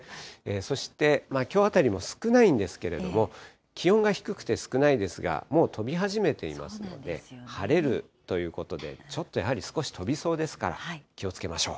そして、きょうあたりも少ないんですけれども、気温が低くて少ないですが、もう飛び始めていますので、晴れるということで、ちょっとやはり少し飛びそうですから、気をつけましょう。